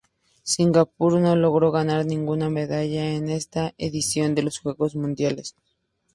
Singapur no logró ganar ninguna medalla en esta edición de los Juegos Mundiales.